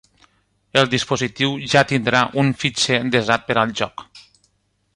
El dispositiu ja tindrà un fitxer desat per al joc.